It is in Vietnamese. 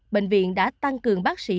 bệnh viện đã tăng cường bác sĩ